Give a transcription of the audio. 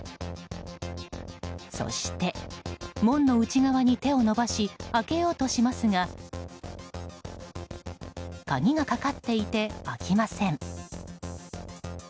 そして、門の内側に手を伸ばし開けようとしますが鍵がかかっていて開きません。